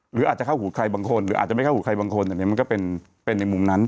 หรืออาจจะเข้าหูใครบางคนหรืออาจจะไม่เข้าหูใครบางคนอันนี้มันก็เป็นในมุมนั้น